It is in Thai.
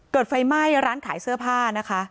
ไฟไหม้ร้านขายเสื้อผ้านะคะ